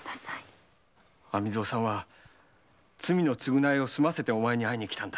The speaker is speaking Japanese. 網蔵さんは罪の償いを済ませてお前に会いにきたんだ。